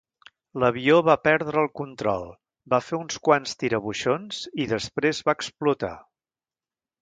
L'avió va perdre el control, va fer uns quants tirabuixons i després va explotar.